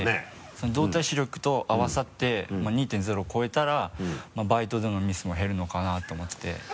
その動体視力と合わさって２．０超えたらまぁバイトでのミスも減るのかなと思って。